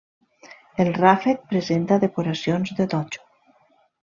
El ràfec presenta decoracions de totxo.